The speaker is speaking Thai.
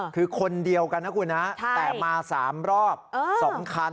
คือคนเดียวกันนะคุณนะแต่มา๓รอบ๒คัน